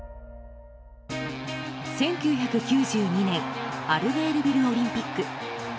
１９９２年アルベールビルオリンピック。